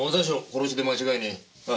殺しで間違いねえ。